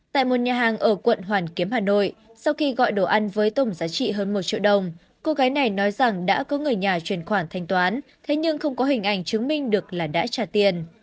tại một nhà hàng ở quận hoàn kiếm hà nội sau khi gọi đồ ăn với tổng giá trị hơn một triệu đồng cô gái này nói rằng đã có người nhà chuyển khoản thanh toán thế nhưng không có hình ảnh chứng minh được là đã trả tiền